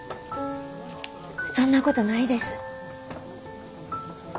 そんなことないです。